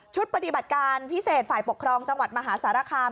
ปฏิบัติการพิเศษฝ่ายปกครองจังหวัดมหาสารคาม